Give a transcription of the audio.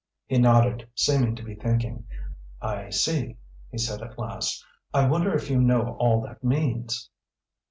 He nodded, seeming to be thinking. "I see," he said at last. "I wonder if you know all that means?"